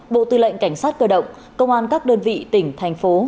bộ tư lệnh cảnh sát cơ động công an các đơn vị tỉnh thành phố